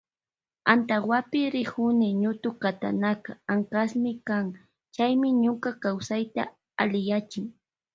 Antawapi rikuni ñutukatanaka ankasmi kan chaymi ñuka kawsayta alliyachin.